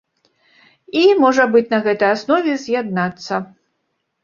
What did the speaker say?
І, можа быць, на гэтай аснове з'яднацца.